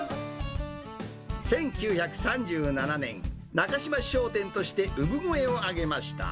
１９３７年、中島商店として産声を上げました。